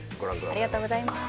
ありがとうございます。